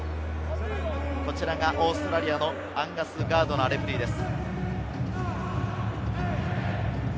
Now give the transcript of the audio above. こちらがオーストラリアのアンガス・ガードナーレフェリーです。